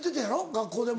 学校でも。